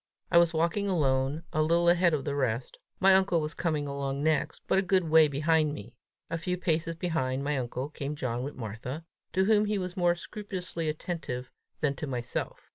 I was walking alone, a little ahead of the rest; my uncle was coming along next, but a good way behind me; a few paces behind my uncle, came John with Martha, to whom he was more scrupulously attentive than to myself.